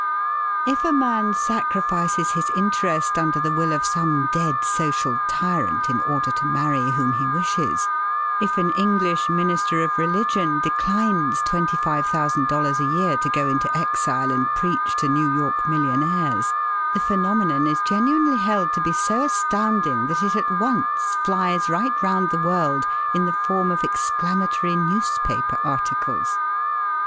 If a man sacrifices his interest under the will of some dead social tyrant in order to marry whom he wishes, if an English minister of religion declines twenty five thousand dollars a year to go into exile and preach to New York millionaires, the phenomenon is genuinely held to be so astounding that it at once flies right round the world in the form of exclamatory newspaper articles!